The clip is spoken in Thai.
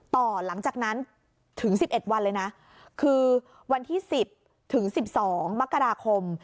ต่อหลังจากนั้นถึง๑๑วันเลยนะคือวันที่๑๐ถึง๑๒มกราคม